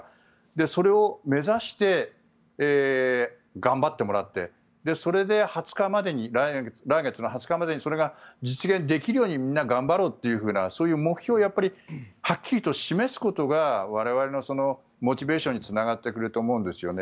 それを目指して頑張ってもらってそれで来月の２０日までにそれが実現できるようにみんな頑張ろうというようなそういう目標をはっきりと示すことが我々のモチベーションにつながってくると思うんですよね。